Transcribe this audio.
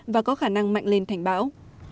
và có khả năng mạnh lên thành bão